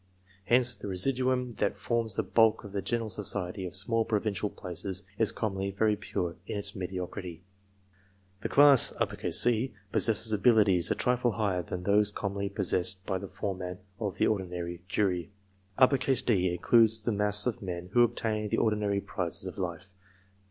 Hence, the residuum that forms the bulk of the general society of small provincial places, is commonly very pure in its mediocrity. The class C possesses abilities a trifle higher than those commonly possessed by the foreman of an ordinary jury. D includes the mass of men who obtain the ordinary prizes of life.